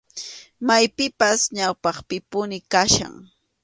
Imapipas ñawpaqpipuni kachkan.